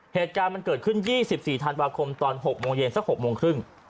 เหตุการณ์มันเกิดขึ้น๒๔ธันวาคมตอน๖โมงเย็นสัก๖โมงครึ่ง